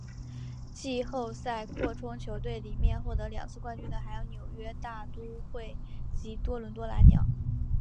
季后赛扩充球队里面获得两次冠军的还有纽约大都会及多伦多蓝鸟。